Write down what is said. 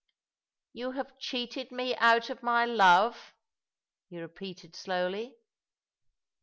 " You have cheated me out of my love," he repeated slowly.